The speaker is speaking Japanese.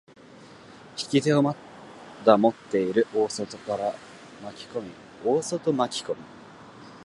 引き手をまだ持っている大外から巻き込み、大外巻き込み。